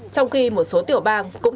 trong khi một số tiểu bang